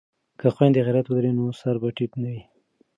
که خویندې غیرت ولري نو سر به ټیټ نه وي.